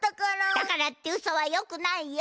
だからってうそはよくないよ。